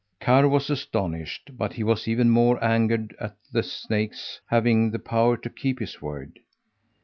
Karr was astonished, but he was even more angered at the snake's having the power to keep his word.